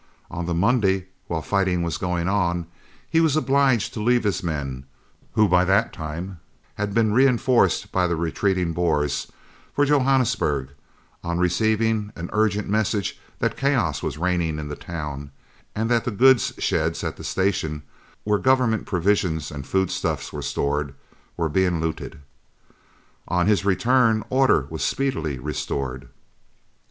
On the Monday, while fighting was going on, he was obliged to leave his men who by that time had been reinforced by the retreating Boers for Johannesburg, on receiving an urgent message that chaos was reigning in town, and that the goods sheds at the station, where Government provisions and food stuffs were stored, were being looted. On his return order was speedily restored.